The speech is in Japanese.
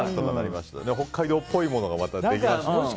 北海道っぽいものができましたね。